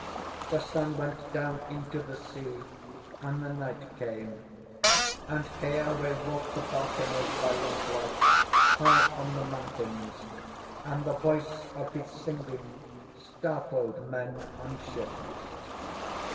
The sun went down into the sea, and the night came; and Keawe walked the balconies by lamplight, high on the mountains, and the voice of his singing startled men on ships.